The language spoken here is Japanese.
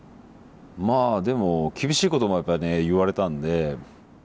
まあでも厳しいこともやっぱりね言われたんで。